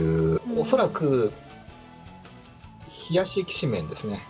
恐らく冷やしきしめんですね。